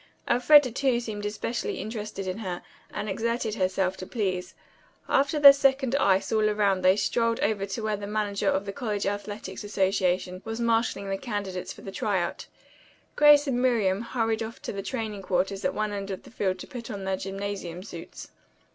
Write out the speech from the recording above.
Elfreda, too, seemed especially interested in her, and exerted herself to please. After their second ice all around they strolled over to where the manager of the college athletics association was marshaling the candidates for the try out. Grace and Miriam hurried off to the training quarters at one end of the field to put on their gymnasium suits.